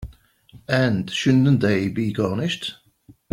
And shouldn't they be garnished?